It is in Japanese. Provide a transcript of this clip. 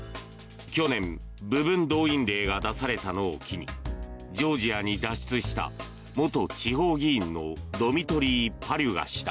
去年、部分動員令が出されたのを機にジョージアに脱出した元地方議員のドミトリー・パリュガ氏だ。